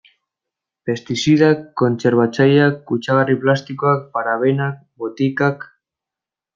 Pestizidak, kontserbatzaileak, kutsagarri plastikoak, parabenak, botikak...